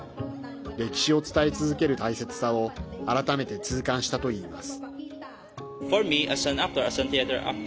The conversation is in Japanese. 歴史を伝え続ける大切さを改めて痛感したといいます。